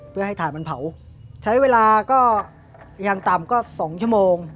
เพื่อให้ถ่านมันเผาใช้เวลาก็ยังต่ำก็๒ชั่วโมง